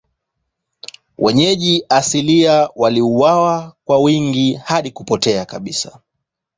Wenyeji asilia waliuawa kwa wingi hadi kupotea kabisa.